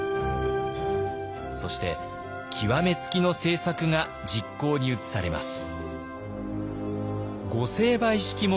そして極め付きの政策が実行に移されます。